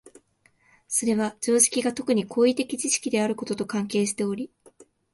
それは常識が特に行為的知識であることと関係しており、